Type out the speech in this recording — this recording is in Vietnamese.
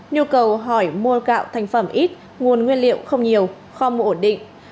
nhu cầu hỏi mua gạo thành phẩm ít nguồn nguyên liệu không nhiều không ổn định